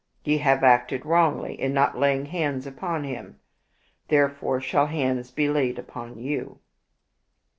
Ye have acted wrongly in not laying hands upon him. Therefore shall hands be laid upon you."